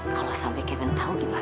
kalau sampai kevin tahu gimana